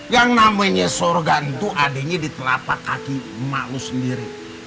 yang namanya sorgan tuh adeknya ditelapak kaki emak lu sendiri